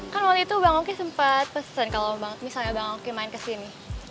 kan waktu itu bang oki sempat pesen kalau misalnya bang oki main ke sini